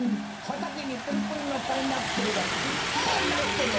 はたけにプルプルのパイナップルがいっパイナップル。